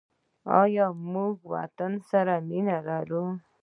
آیا موږ وطن سره مینه لرو؟